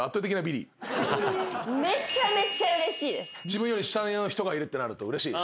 自分より下の人がいるってなるとうれしい？